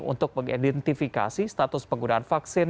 untuk mengidentifikasi status penggunaan vaksin